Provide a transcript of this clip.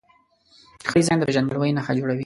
ښه ډیزاین د پېژندګلوۍ نښه جوړوي.